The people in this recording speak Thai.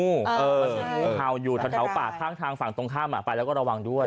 งูเห่าอยู่แถวป่าข้างทางฝั่งตรงข้ามไปแล้วก็ระวังด้วย